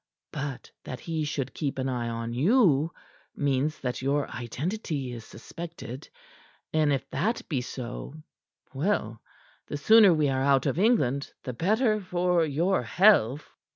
But that he should keep an eye on you means that your identity is suspected, and if that be so well, the sooner we are out of England the better for your health."